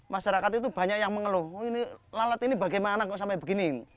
masyarakat itu banyak yang mengeluh oh ini lalat ini bagaimana kok sampai begini